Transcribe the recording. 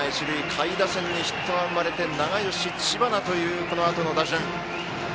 下位打線にヒットが生まれて永吉、知花というこのあとの打順。